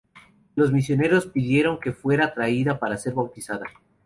Los misioneros pidieron que fuera traída para ser bautizada.